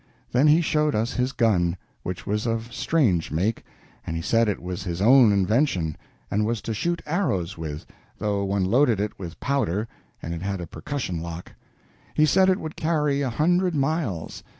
Then he showed us his gun, which was of strange make, and he said it was his own invention and was to shoot arrows with, though one loaded it with powder and it had a percussion lock. He said it would carry a hundred miles.